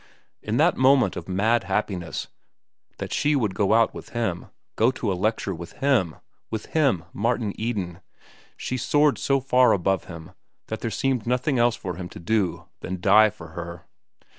In that moment of mad happiness that she should go out with him, go to a lecture with him—with him, Martin Eden—she soared so far above him that there seemed nothing else for him to do than die for her.